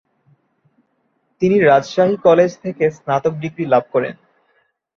তিনি রাজশাহী কলেজ থেকে স্নাতক ডিগ্রী লাভ করেন।